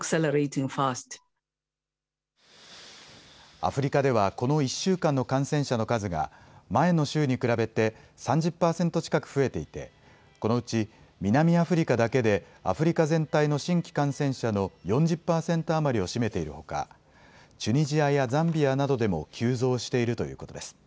アフリカではこの１週間の感染者の数が、前の週に比べて３０％近く増えていてこのうち南アフリカだけでアフリカ全体の新規感染者の４０％余りを占めているほかチュニジアやザンビアなどでも急増しているということです。